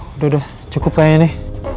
udah udah cukup kayaknya nih